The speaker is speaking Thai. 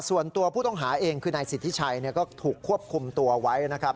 ส่วนตัวผู้ต้องหาเองคือนายสิทธิชัยก็ถูกควบคุมตัวไว้นะครับ